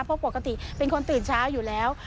เพราะปกติเป็นคนตื่นเช้าอยู่แล้ว